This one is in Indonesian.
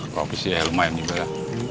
kopi sih ya lumayan nih bella